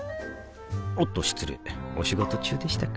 おっと失礼お仕事中でしたか